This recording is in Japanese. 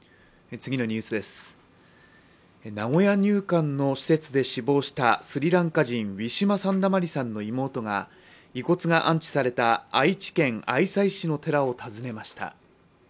名古屋入管の施設で死亡したスリランカ人ウィシュマ・サンダマリさんの妹が遺骨が安置された愛知県愛西市の寺を訪ねました。